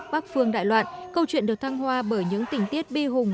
bắc phương đại loạn câu chuyện được thăng hoa bởi những tình tiết bi hùng